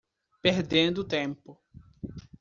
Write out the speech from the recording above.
Perdendo tempo